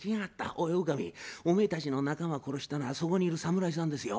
おい狼おめえたちの仲間を殺したのはそこにいる侍さんですよ。